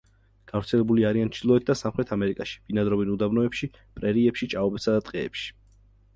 გავრცელებული არიან ჩრდილოეთ და სამხრეთ ამერიკაში; ბინადრობენ უდაბნოებში, პრერიებში, ჭაობებსა და ტყეებში.